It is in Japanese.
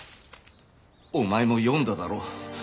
お前も読んだだろ。